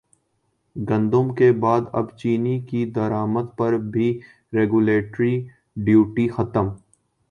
گندم کے بعد اب چینی کی درامد پر بھی ریگولیٹری ڈیوٹی ختم